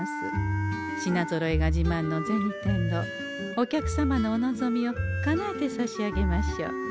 品ぞろえがじまんの銭天堂お客様のお望みをかなえてさしあげましょう。